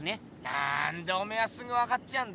なんでおめえはすぐ分かっちゃうんだ？